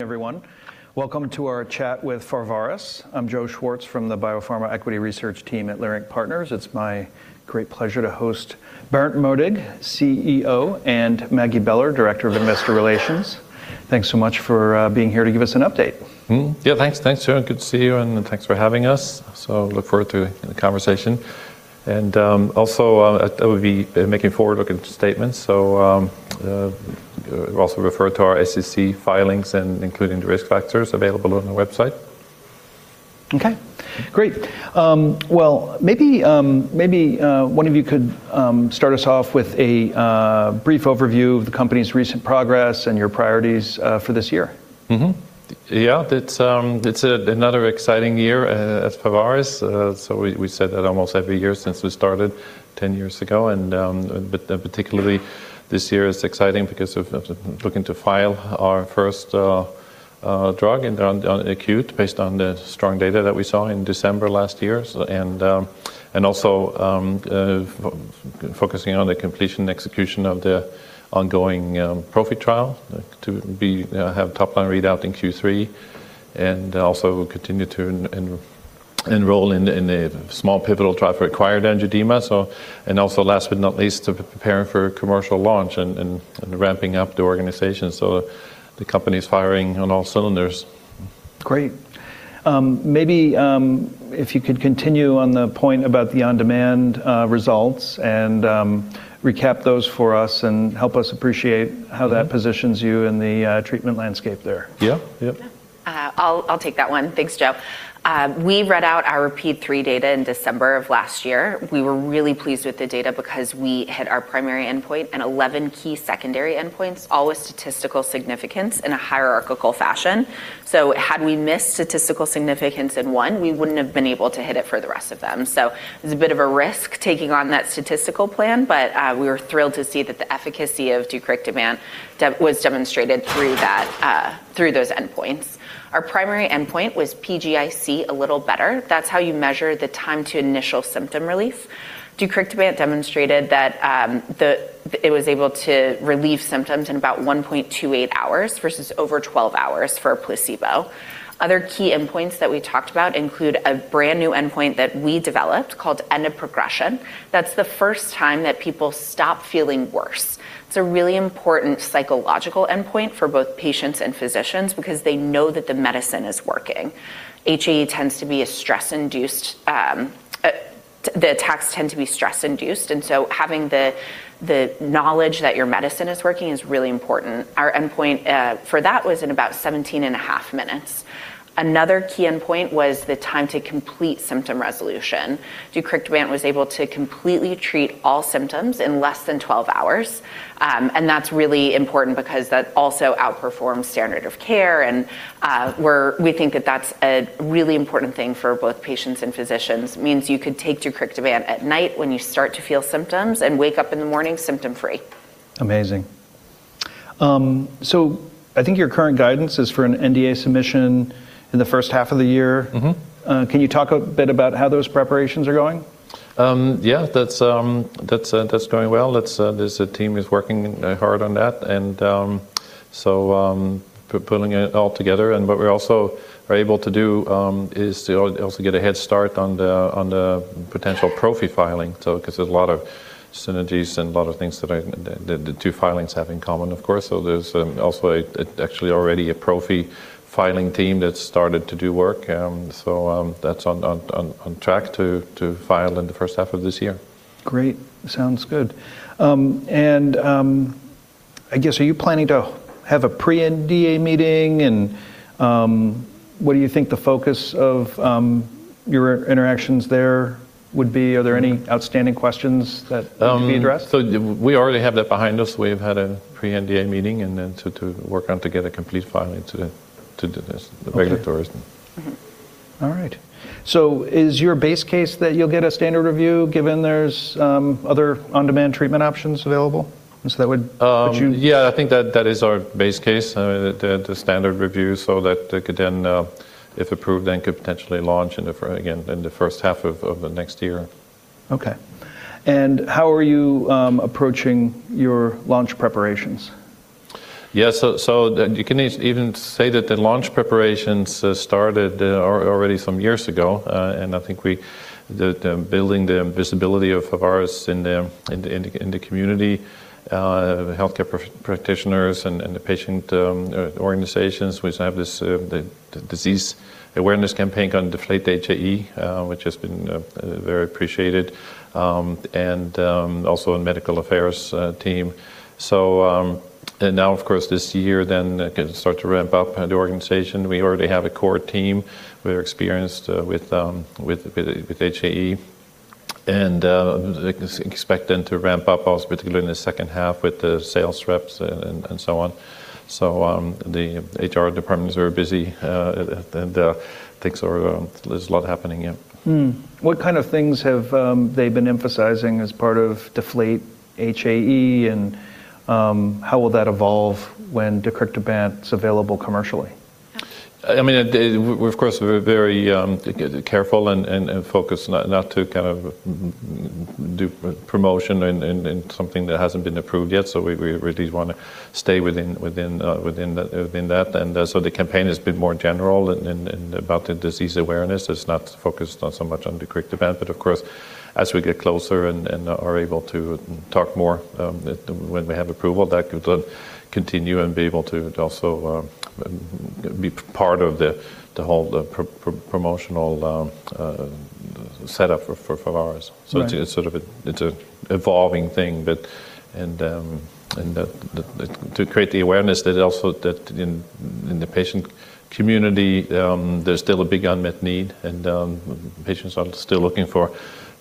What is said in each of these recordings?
Everyone, welcome to our chat with Pharvaris. I'm Joseph Schwartz from the Biopharma Equity Research team at Leerink Partners. It's my great pleasure to host Berndt Modig, CEO, and Maggie Beller, Director of Investor Relations. Thanks so much for being here to give us an update. Yeah, thanks. Thanks, Joe. Good to see you, and thanks for having us. Look forward to the conversation. That would be making forward-looking statements. Also refer to our SEC filings, including the risk factors available on our website. Okay. Great. Well, maybe one of you could start us off with a brief overview of the company's recent progress and your priorities for this year. It's another exciting year at Pharvaris. We said that almost every year since we started ten years ago, but particularly this year is exciting because of looking to file our first drug in acute based on the strong data that we saw in December last year. Focusing on the completion and execution of the ongoing prophy trial to have top line readout in Q3, and continue to enroll in a small pivotal trial for acquired angioedema. Last but not least, preparing for commercial launch and ramping up the organization, so the company is firing on all cylinders. Great. Maybe if you could continue on the point about the on-demand results and recap those for us and help us appreciate. Mm-hmm... how that positions you in the treatment landscape there. Yeah. Yeah. I'll take that one. Thanks, Joe. We read out our RAPIDe-3 data in December of last year. We were really pleased with the data because we hit our primary endpoint and 11 key secondary endpoints, all with statistical significance in a hierarchical fashion. Had we missed statistical significance in one, we wouldn't have been able to hit it for the rest of them. It was a bit of a risk taking on that statistical plan, but we were thrilled to see that the efficacy of deucrictibant was demonstrated through that, through those endpoints. Our primary endpoint was PGIC a little better. That's how you measure the time to initial symptom relief. Deucrictibant demonstrated that it was able to relieve symptoms in about 1.28 hours versus over 12 hours for a placebo. Other key endpoints that we talked about include a brand-new endpoint that we developed called End of Progression. That's the first time that people stop feeling worse. It's a really important psychological endpoint for both patients and physicians because they know that the medicine is working. HAE tends to be a stress-induced, the attacks tend to be stress-induced, and so having the knowledge that your medicine is working is really important. Our endpoint for that was in about 17.5 minutes. Another key endpoint was the time to complete symptom resolution. Deucrictibant was able to completely treat all symptoms in less than 12 hours, and that's really important because that also outperforms standard of care and we think that that's a really important thing for both patients and physicians. It means you could take deucrictibant at night when you start to feel symptoms and wake up in the morning symptom-free. Amazing. I think your current guidance is for an NDA submission in the first half of the year. Mm-hmm. Can you talk a bit about how those preparations are going? Yeah, that's going well. There's a team is working hard on that, and so pulling it all together. What we also are able to do is to also get a head start on the potential prophy filing. Because there's a lot of synergies and a lot of things that the two filings have in common, of course. There's also actually already a prophy filing team that's started to do work. That's on track to file in the first half of this year. Great. Sounds good. I guess, are you planning to have a Pre-NDA meeting? What do you think the focus of your interactions there would be? Are there any outstanding questions that need to be addressed? We already have that behind us. We've had a Pre-NDA meeting and then to work on to get a complete filing. Okay The regulators. Mm-hmm. All right. Is your base case that you'll get a standard review given there's other on-demand treatment options available? That would you- Yeah, I think that is our base case, the standard review so that they could then, if approved, then could potentially launch again in the first half of next year. Okay. How are you approaching your launch preparations? You can even say that the launch preparations started already some years ago, and I think building the visibility of Pharvaris in the community, healthcare practitioners and the patient organizations which have this, the disease awareness campaign called Deflate HAE, which has been very appreciated, and also in medical affairs team. Now of course, this year then can start to ramp up the organization. We already have a core team. We're experienced with HAE and expecting to ramp up also particularly in the second half with the sales reps and so on. The HR departments are busy, things are, there's a lot happening. What kind of things have they been emphasizing as part of Deflate HAE, and how will that evolve when deucrictibant is available commercially? I mean, it did. We of course were very careful and focused not to kind of do promotion in something that hasn't been approved yet. We really want to stay within that. The campaign is a bit more general in about the disease awareness. It's not focused so much on deucrictibant, but of course, as we get closer and are able to talk more, when we have approval, that can continue and be able to also be part of the whole promotional setup for ours. Right. It's an evolving thing. To create the awareness that also that in the patient community, there's still a big unmet need and patients are still looking for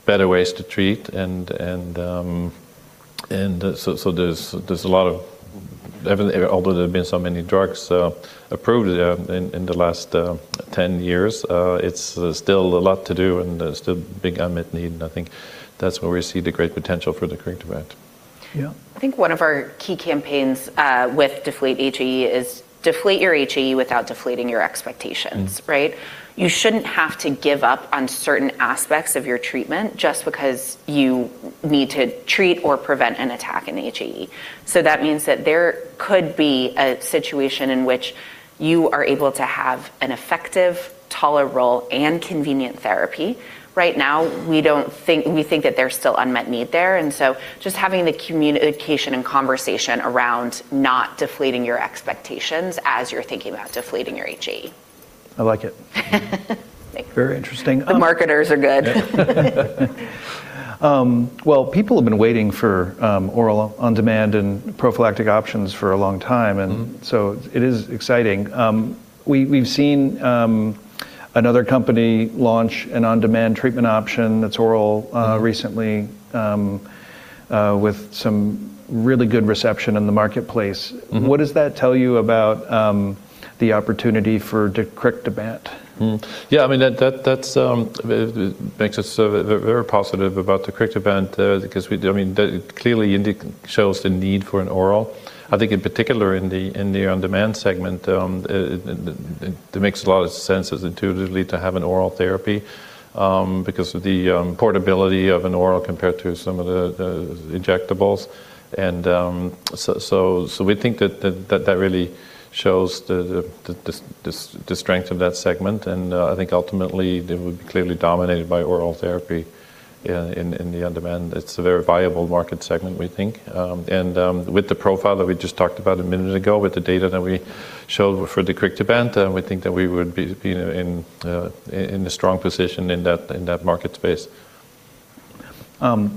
better ways to treat. There's a lot, although there have been so many drugs approved in the last 10 years, it's still a lot to do and there's still big unmet need. I think that's where we see the great potential for deucrictibant. Yeah. I think one of our key campaigns with Deflate HAE is deflate your HAE without deflating your expectations, right? Mm. You shouldn't have to give up on certain aspects of your treatment just because you need to treat or prevent an attack in HAE. That means that there could be a situation in which you are able to have an effective, tolerable, and convenient therapy. Right now, we think that there's still unmet need there. Just having the communication and conversation around not deflating your expectations as you're thinking about deflating your HAE. I like it. Thank you. Very interesting. The marketers are good. Well, people have been waiting for oral on-demand and prophylactic options for a long time. Mm-hmm It is exciting. We've seen another company launch an on-demand treatment option that's oral recently with some really good reception in the marketplace. Mm-hmm. What does that tell you about the opportunity for deucrictibant? Yeah, I mean, that makes us very positive about deucrictibant, because, I mean, that clearly shows the need for an oral. I think in particular in the on-demand segment, it makes a lot of sense intuitively to have an oral therapy, because of the portability of an oral compared to some of the injectables. So we think that really shows the strength of that segment. I think ultimately they would be clearly dominated by oral therapy in the on-demand. It's a very viable market segment, we think. With the profile that we just talked about a minute ago, with the data that we showed for deucrictibant, we think that we would be in a strong position in that market space. How does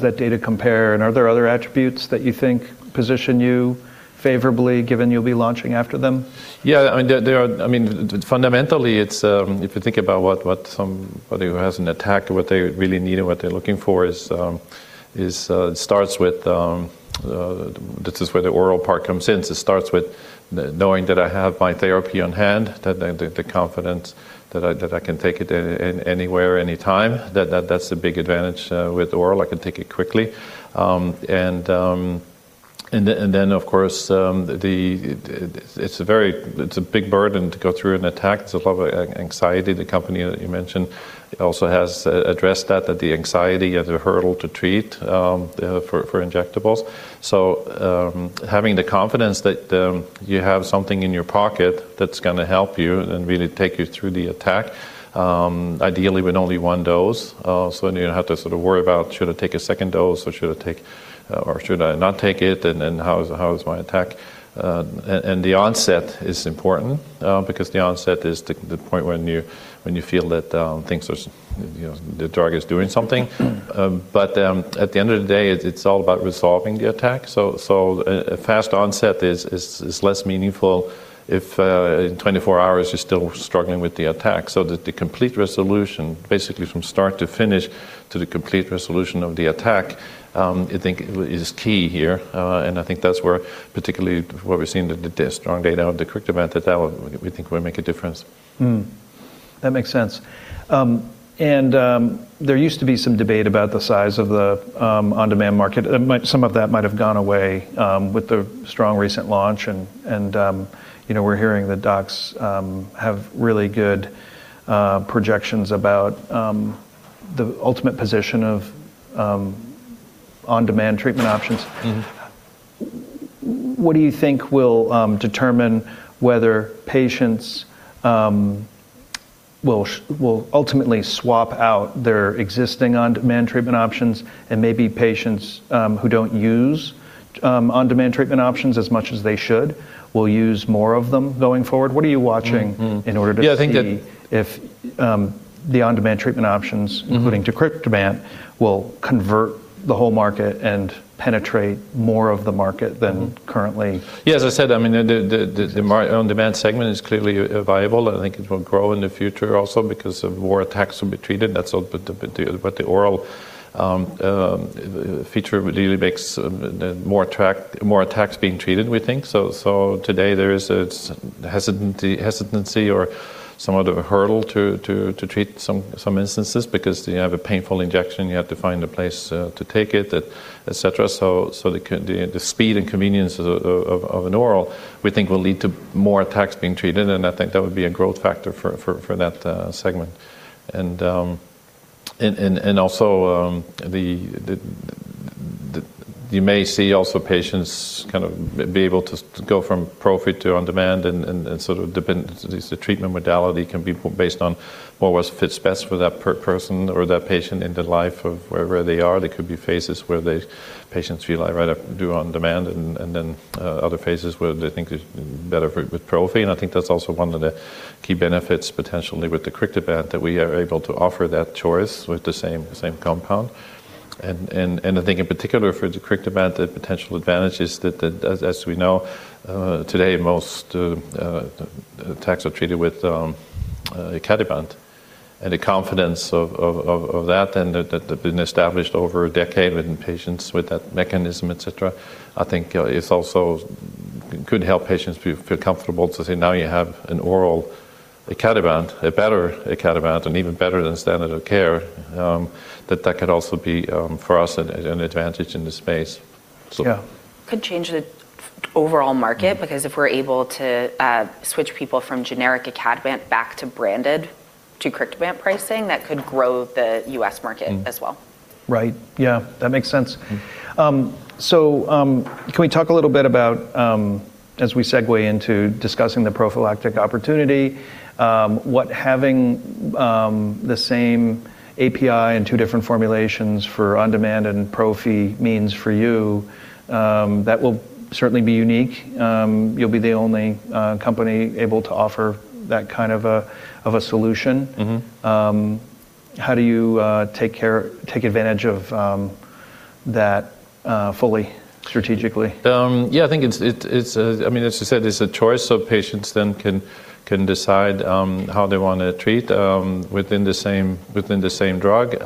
that data compare? Are there other attributes that you think position you favorably given you'll be launching after them? I mean, fundamentally, it's if you think about what somebody who has an attack really needs and what they're looking for is. This is where the oral part comes in. It starts with knowing that I have my therapy on hand, that the confidence that I can take it anywhere, anytime. That's a big advantage with oral. I can take it quickly. Of course, it's a big burden to go through an attack. It's a lot of anxiety. The company that you mentioned also has addressed that the anxiety is a hurdle to treat for injectables. Having the confidence that you have something in your pocket that's gonna help you and really take you through the attack, ideally with only one dose. You don't have to sort of worry about should I take a second dose or should I take or should I not take it, and how is my attack. The onset is important, because the onset is the point when you feel that things are, you know, the drug is doing something. At the end of the day, it's all about resolving the attack. A fast onset is less meaningful if in 24 hours, you're still struggling with the attack. The complete resolution, basically from start to finish to the complete resolution of the attack, I think is key here. I think that's where particularly what we're seeing the strong data of deucrictibant that will we think will make a difference. That makes sense. There used to be some debate about the size of the on-demand market. Some of that might have gone away with the strong recent launch. You know, we're hearing the docs have really good projections about the ultimate position of on-demand treatment options. Mm-hmm. What do you think will determine whether patients will ultimately swap out their existing on-demand treatment options, and maybe patients who don't use on-demand treatment options as much as they should will use more of them going forward? What are you watching? Mm. Mm in order to see. Yeah, I think that. if the on-demand treatment options- Mm-hmm... including deucrictibant, will convert the whole market and penetrate more of the market than currently? Yeah, as I said, I mean, the on-demand segment is clearly viable. I think it will grow in the future also because more attacks will be treated. That's what the oral feature really makes more attacks being treated, we think. So today there is a hesitancy or somewhat of a hurdle to treat some instances because you have a painful injection, you have to find a place to take it, et cetera. The speed and convenience of an oral, we think will lead to more attacks being treated, and I think that would be a growth factor for that segment. You may see patients kind of be able to go from prophy to on-demand, so the treatment modality can be based on what fits best for that person or that patient in their life or wherever they are. There could be phases where patients feel like right do on-demand and then other phases where they think it's better with prophy. I think that's also one of the key benefits potentially with the deucrictibant that we are able to offer that choice with the same compound. I think in particular for the deucrictibant, the potential advantage is that as we know today most attacks are treated with icatibant. The confidence of that that's been established over a decade in patients with that mechanism, et cetera. I think it's also could help patients feel comfortable to say now you have an oral icatibant, a better icatibant and even better than standard of care, that could also be for us an advantage in the space. Yeah. Could change the overall market, because if we're able to switch people from generic icatibant back to branded deucrictibant pricing, that could grow the U.S. market as well. Right. Yeah. That makes sense. Mm-hmm. Can we talk a little bit about as we segue into discussing the prophylactic opportunity what having the same API in two different formulations for on-demand and prophy means for you that will certainly be unique. You'll be the only company able to offer that kind of a solution. Mm-hmm. How do you take advantage of that fully, strategically? Yeah, I think it's a choice. I mean, as you said, it's a choice, so patients can decide how they wanna treat within the same drug,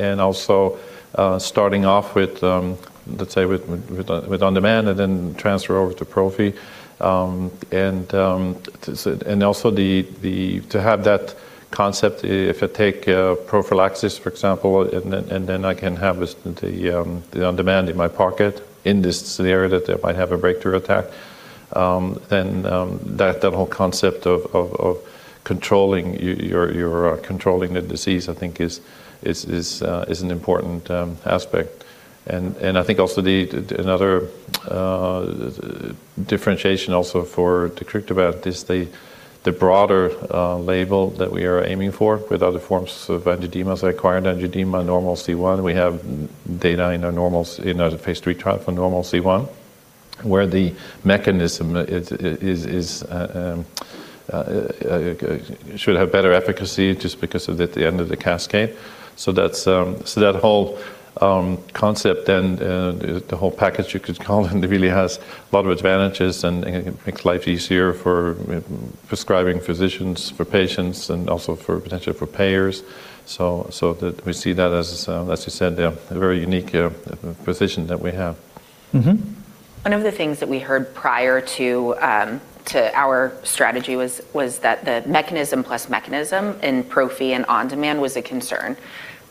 and also starting off with, let's say, with on-demand and then transfer over to prophy. To have that concept if I take prophylaxis for example, and then I can have the on-demand in my pocket in this scenario that I might have a breakthrough attack, then that whole concept of controlling your disease I think is an important aspect. I think also another differentiation also for deucrictibant is the broader label that we are aiming for with other forms of angioedema, so acquired angioedema, normal C1. We have data in our normals, in our Phase III trial for normal C1, where the mechanism is should have better efficacy just because of at the end of the cascade. That's so that whole concept and the whole package you could call it really has a lot of advantages and makes life easier for prescribing physicians, for patients, and also potentially for payers. That we see that as you said, a very unique position that we have. Mm-hmm. One of the things that we heard prior to our strategy was that the mechanism plus mechanism in prophy and on-demand was a concern.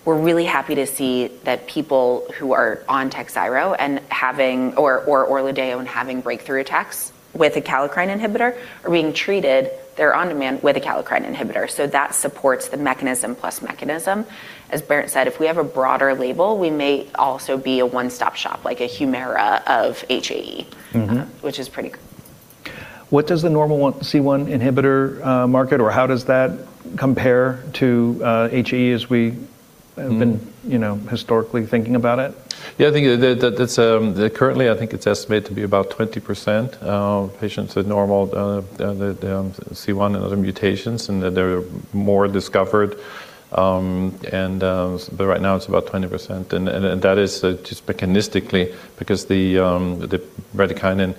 We're really happy to see that people who are on Takhzyro and having or ORLADEYO and having breakthrough attacks with a kallikrein inhibitor are being treated there on-demand with a kallikrein inhibitor. That supports the mechanism plus mechanism. As Berndt said, if we have a broader label, we may also be a one-stop shop, like a Humira of HAE. Mm-hmm. Which is pretty cool. What does the normal one, C1 inhibitor market or how does that compare to HAE? Mm have been, you know, historically thinking about it? Yeah, I think that's currently, I think it's estimated to be about 20% patients with normal the C1 and other mutations, and that there are more discovered. Right now it's about 20%. That is just mechanistically because the bradykinin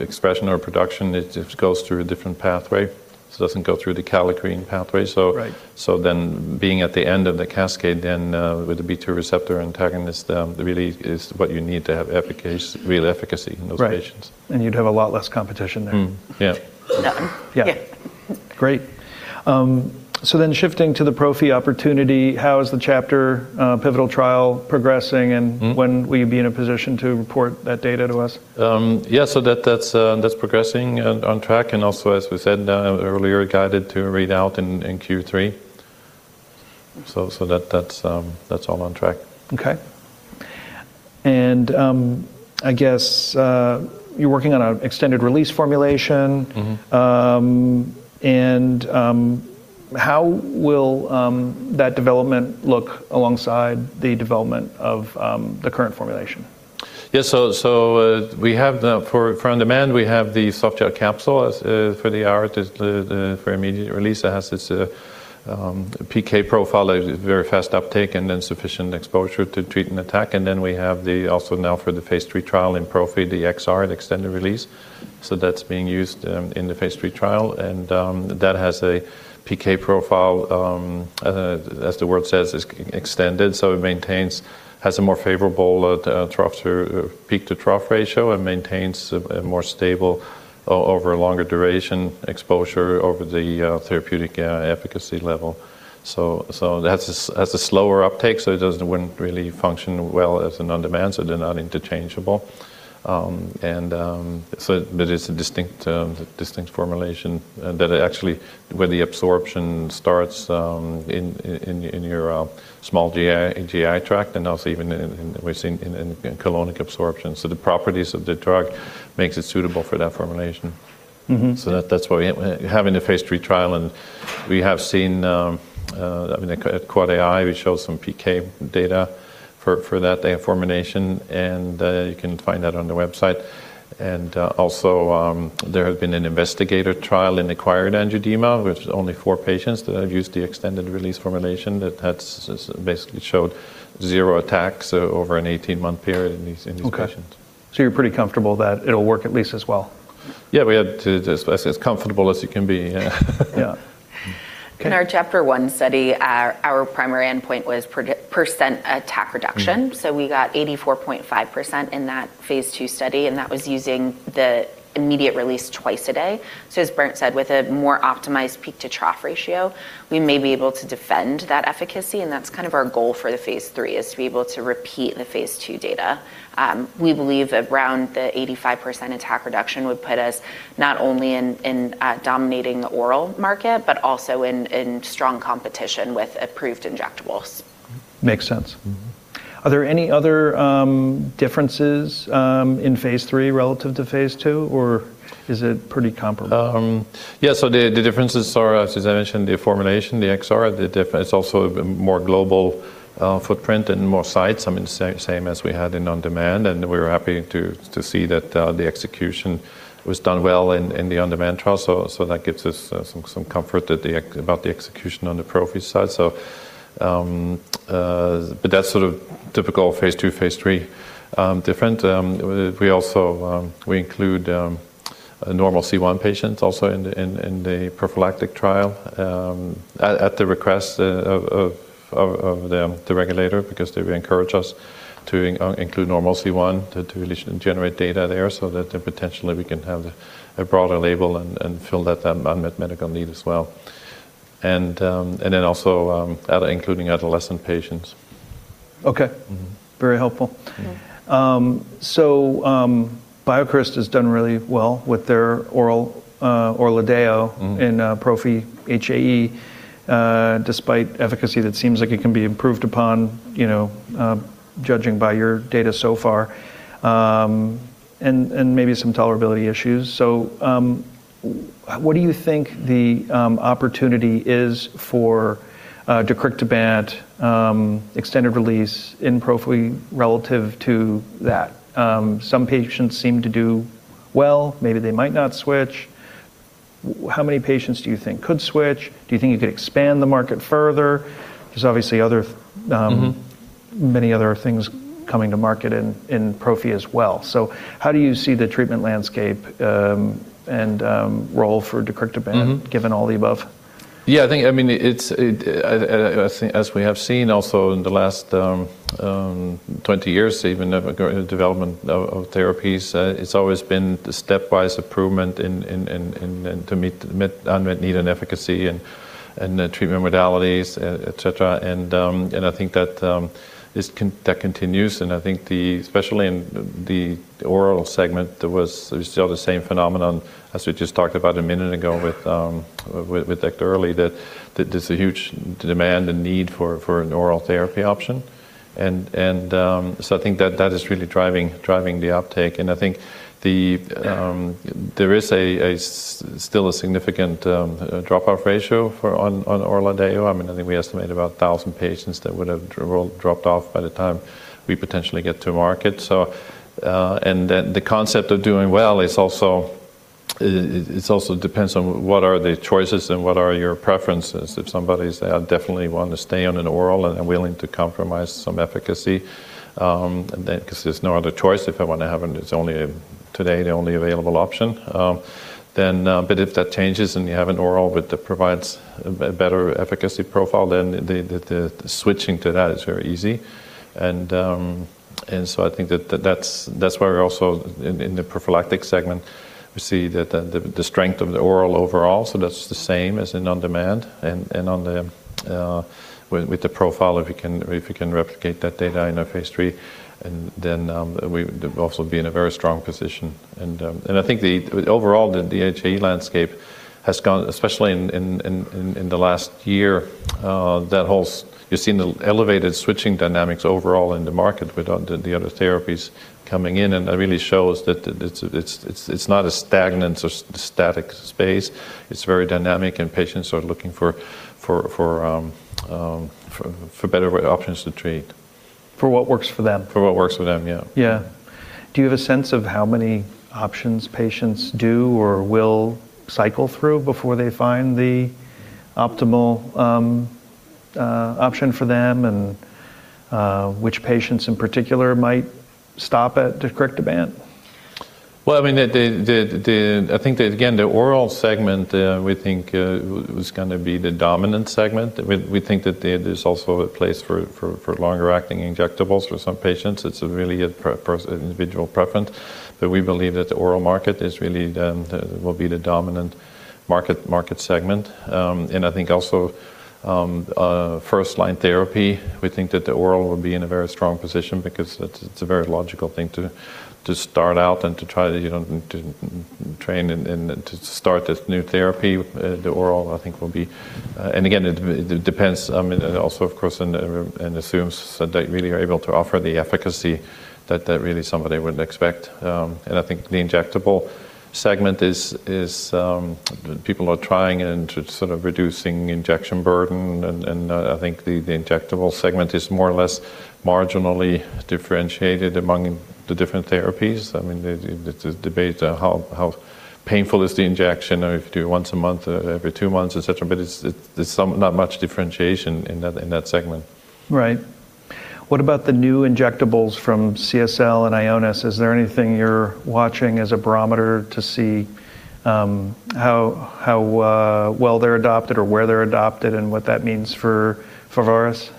expression or production it goes through a different pathway. It doesn't go through the kallikrein pathway. Right Being at the end of the cascade then, with the B2 receptor antagonist, really is what you need to have efficacy, real efficacy in those patients. Right. You'd have a lot less competition there. Yeah. None. Yeah. Great. Shifting to the prophy opportunity, how is the CHAPTER-3 pivotal trial progressing? Mm When will you be in a position to report that data to us? Yeah, that's progressing on track, and also as we said earlier, guided to read out in Q3. That's all on track. Okay. I guess you're working on an extended-release formulation. Mm-hmm. How will that development look alongside the development of the current formulation? For on-demand, we have the softgel capsule. As for the IR for immediate release. It has its PK profile. It is very fast uptake and then sufficient exposure to treat an attack. We also have for the Phase III trial in prophy the XR, the extended release. That's being used in the Phase III trial, and that has a PK profile as the word says is extended. It has a more favorable trough to peak to trough ratio and maintains a more stable over longer duration exposure over the therapeutic efficacy level. That's a slower uptake, so it wouldn't really function well as an on-demand, so they're not interchangeable. It's a distinct formulation and that it actually where the absorption starts in your small GI tract and also even in colonic absorption. The properties of the drug makes it suitable for that formulation. Mm-hmm. That, that's why we're having a Phase III trial and we have seen, I mean, at EAACI, we show some PK data for that oral formulation, and you can find that on the website. Also, there have been an investigator trial in acquired angioedema, which is only four patients that have used the extended release formulation that's basically showed zero attacks over an 18-month period in these patients. Okay. You're pretty comfortable that it'll work at least as well. Yeah, we had to as comfortable as you can be. Yeah. Yeah. In our CHAPTER-1 study, our primary endpoint was % attack reduction. Mm. We got 84.5% in that Phase II study, and that was using the immediate release twice a day. As Berndt said, with a more optimized peak to trough ratio, we may be able to defend that efficacy, and that's kind of our goal for the Phase III, is to be able to repeat the Phase II data. We believe around the 85% attack reduction would put us not only in at dominating the oral market, but also in strong competition with approved injectables. Makes sense. Mm-hmm. Are there any other differences in Phase III relative to Phase II, or is it pretty comparable? The differences are, as I mentioned, the formulation, the XR. It's also a more global footprint and more sites. I mean, same as we had in on-demand, and we're happy to see that the execution was done well in the on-demand trial. That gives us some comfort about the execution on the prophy side. But that's sort of typical Phase II, Phase III different. We also include normal C1 patients in the prophylactic trial at the request of the regulator, because they encourage us to include normal C1 to at least generate data there so that then potentially we can have a broader label and fill that unmet medical need as well, and then also including adolescent patients. Okay. Mm-hmm. Very helpful. Mm-hmm. BioCryst has done really well with their oral ORLADEYO. Mm In prophy HAE, despite efficacy that seems like it can be improved upon, you know, judging by your data so far, and maybe some tolerability issues. What do you think the opportunity is for deucrictibant extended release in prophy relative to that? Some patients seem to do well. Maybe they might not switch. How many patients do you think could switch? Do you think you could expand the market further? There's obviously other. Mm-hmm many other things coming to market in prophy as well. How do you see the treatment landscape and role for deucrictibant- Mm-hmm Given all the above? Yeah, I think, I mean, it's as we have seen also in the last 20 years even of development of therapies, it's always been the stepwise improvement and to meet unmet need and efficacy and the treatment modalities, et cetera. I think that continues, and I think, especially in the oral segment, there's still the same phenomenon as we just talked about a minute ago with Dr. Earley, that there's a huge demand and need for an oral therapy option. So I think that is really driving the uptake, and I think the Yeah There is still a significant drop off ratio for ORLADEYO. I mean, I think we estimate about 1,000 patients that would have dropped off by the time we potentially get to market. The concept of doing well is also. It also depends on what the choices are and what your preferences are. If somebody definitely wants to stay on an oral and is willing to compromise some efficacy, then 'cause there's no other choice if I want an oral and it's only today the only available option. If that changes and you have an oral that provides a better efficacy profile, then switching to that is very easy. I think that's why we're also in the prophylactic segment. We see that the strength of the oral overall, so that's the same as in on-demand and with the profile, if we can replicate that data in our Phase III, and then we would also be in a very strong position. I think overall the HAE landscape has gone, especially in the last year, that whole, you've seen the elevated switching dynamics overall in the market with the other therapies coming in, and that really shows that it's not a stagnant or static space. It's very dynamic and patients are looking for better ways, options to treat. For what works for them. For what works for them, yeah. Yeah. Do you have a sense of how many options patients do or will cycle through before they find the optimal option for them and which patients in particular might stop at deucrictibant? Well, I mean, I think that again, the oral segment we think was gonna be the dominant segment. We think that there's also a place for longer acting injectables for some patients. It's really a per-person individual preference. But we believe that the oral market really will be the dominant market segment. I think also first line therapy, we think that the oral will be in a very strong position because it's a very logical thing to start out and to try to you know to train and to start this new therapy. The oral I think will be. Again, it depends. I mean, it also of course and assumes that they really are able to offer the efficacy that really somebody would expect. I think the injectable segment is people are trying and to sort of reducing injection burden and I think the injectable segment is more or less marginally differentiated among the different therapies. I mean, the debate how painful is the injection if you do it once a month or every two months, etcetera, but it's not much differentiation in that segment. Right. What about the new injectables from CSL and Ionis? Is there anything you're watching as a barometer to see how well they're adopted or where they're adopted and what that means for Pharvaris?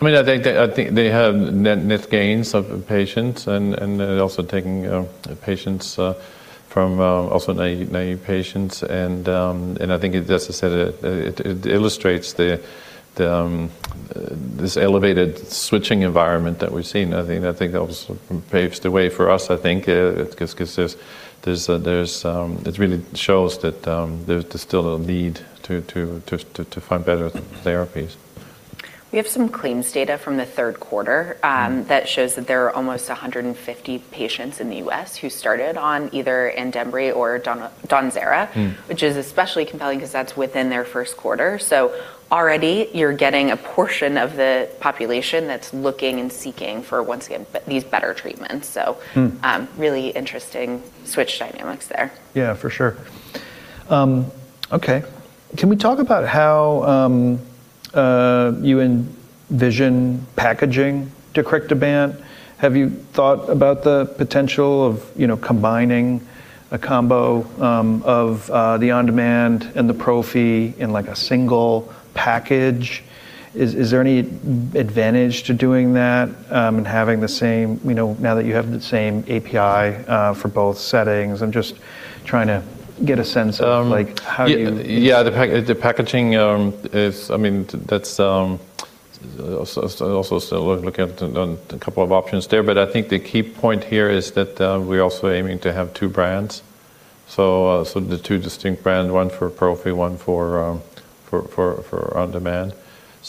I mean, I think they have net gains of patients and also taking, you know, patients from also naive patients. I think it just said it illustrates this elevated switching environment that we've seen. I think that paves the way for us, I think 'cause it really shows that there's still a need to find better therapies. We have some claims data from the third quarter. Mm. that shows that there are almost 150 patients in the U.S. who started on either ADZYNMA or DAWNZERA. Mm. which is especially compelling 'cause that's within their first quarter. Already you're getting a portion of the population that's looking and seeking for, once again, these better treatments. Mm. Really interesting switch dynamics there. Yeah, for sure. Okay. Can we talk about how you envision packaging deucrictibant? Have you thought about the potential of, you know, combining a combo of the on-demand and the prophy in like a single package? Is there any advantage to doing that, and having the same, you know, now that you have the same API for both settings? I'm just trying to get a sense of? Um- -like how you- Yeah. The packaging is, I mean, that's also still looking at a couple of options there. I think the key point here is that we're also aiming to have two brands. The two distinct brand, one for prophy, one for on-demand.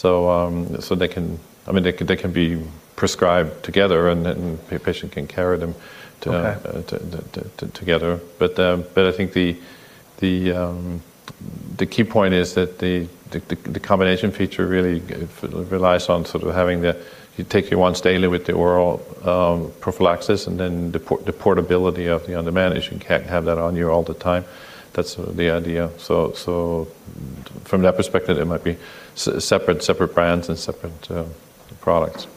They can, I mean, be prescribed together and then a patient can carry them to- Okay ...to together. I think the key point is that the combination feature really relies on sort of having that you take your once daily with the oral prophylaxis and then the portability of the on-demand is you can have that on you all the time. That's the idea. From that perspective, it might be separate brands and separate products.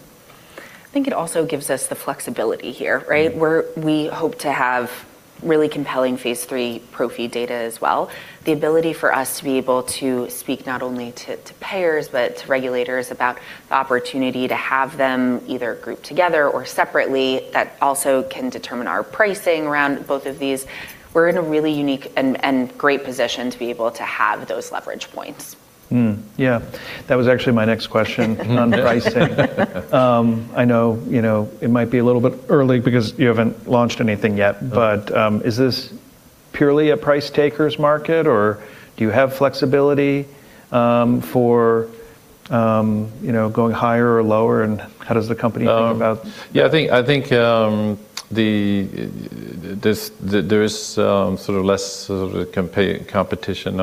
I think it also gives us the flexibility here, right? Mm. Where we hope to have really compelling Phase III prophy data as well. The ability for us to be able to speak not only to payers, but to regulators about the opportunity to have them either grouped together or separately, that also can determine our pricing around both of these. We're in a really unique and great position to be able to have those leverage points. Yeah. That was actually my next question on pricing. I know, you know, it might be a little bit early because you haven't launched anything yet, but is this purely a price takers market or do you have flexibility for, you know, going higher or lower, and how does the company Um- -think about- Yeah, I think there's sort of less competition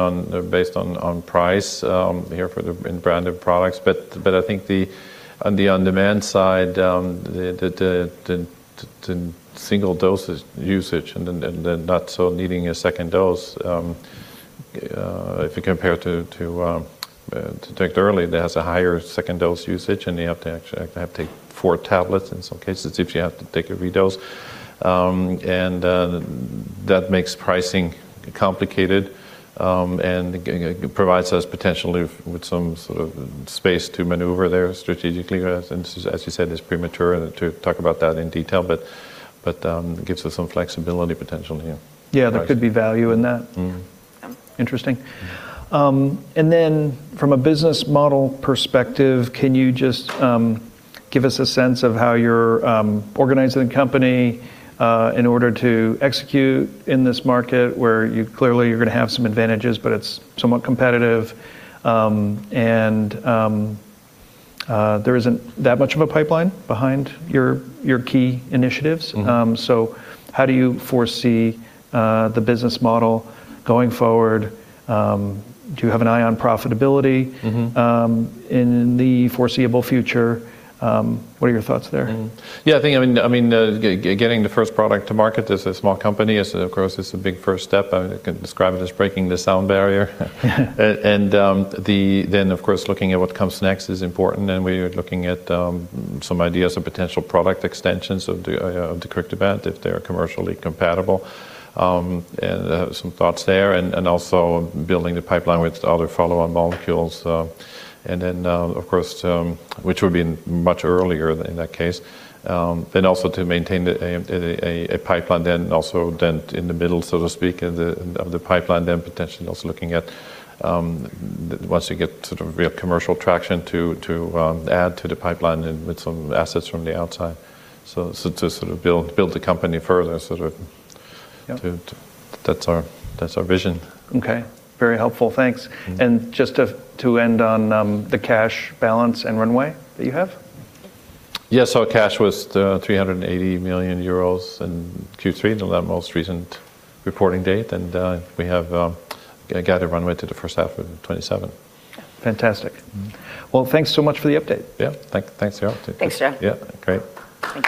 based on price here for the branded products. I think on the on-demand side, the single doses usage and then not so needing a second dose, if you compare to Takhzyro, that's a higher second dose usage, and you have to actually take four tablets in some cases if you have to take every dose. That makes pricing complicated, and providing us potentially with some sort of space to maneuver there strategically. As you said, it's premature to talk about that in detail, it gives us some flexibility potentially, yeah. Yeah, there could be value in that. Mm. Yeah. Interesting. From a business model perspective, can you just give us a sense of how you're organizing the company in order to execute in this market where you clearly you're gonna have some advantages, but it's somewhat competitive, and there isn't that much of a pipeline behind your key initiatives? Mm. How do you foresee the business model going forward? Do you have an eye on profitability? Mm-hmm In the foreseeable future? What are your thoughts there? Yeah, I think I mean getting the first product to market as a small company is of course a big first step. I can describe it as breaking the sound barrier. Then, of course, looking at what comes next is important, and we're looking at some ideas of potential product extensions of the deucrictibant if they're commercially compatible. I have some thoughts there. Also building the pipeline with other follow-on molecules, and then, of course, which would be much earlier in that case. To maintain the pipeline then also in the middle, so to speak, of the pipeline, then potentially also looking at once you get sort of real commercial traction to add to the pipeline and with some assets from the outside to sort of build the company further, sort of. Yeah That's our vision. Okay. Very helpful. Thanks. Mm-hmm. Just to end on the cash balance and runway that you have. Yeah. Yeah. Cash was 380 million euros in Q3, the most recent reporting date, and we have guided runway to the first half of 2027. Fantastic. Mm-hmm. Well, thanks so much for the update. Yeah. Thanks y'all too. Thanks, Jeff. Yeah. Great. Thank you.